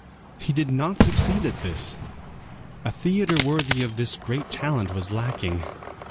He did not succeed in this. A theatre worthy of this great talent was lacking.